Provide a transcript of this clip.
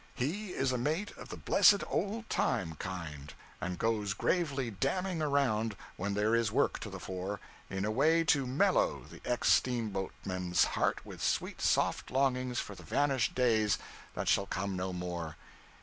He is a mate of the blessed old time kind; and goes gravely damning around, when there is work to the fore, in a way to mellow the ex steamboatman's heart with sweet soft longings for the vanished days that shall come no more.